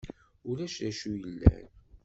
Ulac d acu yellan.